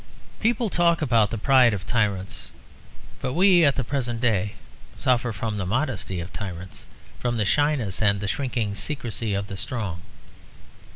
People talk about the pride of tyrants; but we at the present day suffer from the modesty of tyrants; from the shyness and the shrinking secrecy of the strong.